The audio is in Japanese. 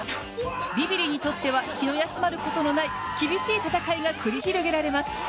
ビビリにとっては気の休まることのない厳しい戦いが繰り広げられます。